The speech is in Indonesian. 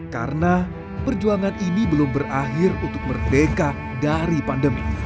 karena perjuangan ini belum berakhir untuk merdeka dari pandemi